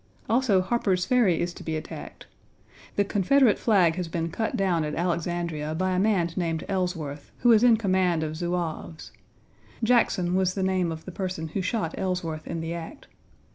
Also Harper's Ferry is to be attacked. The Confederate flag has been cut down at Alexandria by a man named Ellsworth,1 who was in command of Zouaves. Jackson was the name of the person who shot Ellsworth in the act.